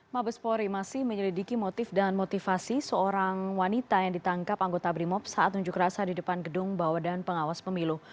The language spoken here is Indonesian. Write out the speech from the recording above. mabes polri masih menyelidiki motif dan motivasi seorang wanita yang ditangkap anggota brimob saat unjuk rasa di depan gedung bawadan pengawas pemilu